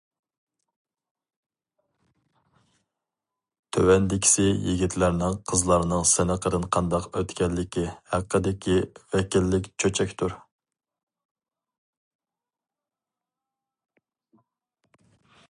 تۆۋەندىكىسى يىگىتلەرنىڭ قىزلارنىڭ سىنىقىدىن قانداق ئۆتكەنلىكى ھەققىدىكى ۋەكىللىك چۆچەكتۇر.